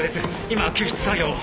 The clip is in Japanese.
今救出作業を。